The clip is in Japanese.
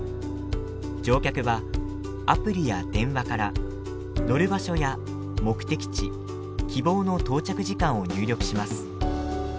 乗客はアプリや電話から乗る場所や目的地希望の到着時間を入力します。